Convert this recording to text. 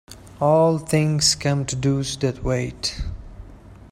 All things come to those that wait.